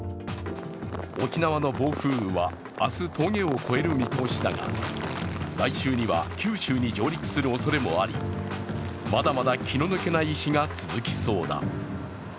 沖縄の暴風雨は明日峠を越える見通しだが来週には九州に上陸するおそれもあり、まだまだ気の抜けない日が続きそうだ。